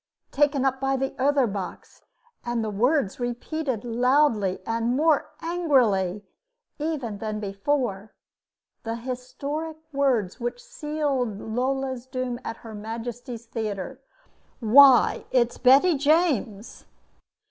taken up by the other box, and the words repeated loudly and more angrily even than before the historic words which sealed Lola's doom at Her Majesty's Theater: "WHY, IT'S BETTY JAMES!"